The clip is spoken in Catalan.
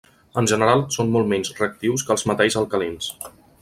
En general, són molt menys reactius que els metalls alcalins.